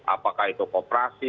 apakah itu koperasi